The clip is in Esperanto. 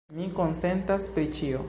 Mi konsentas pri ĉio.